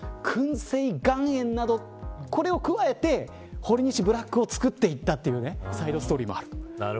薫製岩塩など、これを加えてほりにしブラックを作っていったというサイドストーリーもある。